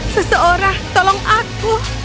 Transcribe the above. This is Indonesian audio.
seseorang tolong aku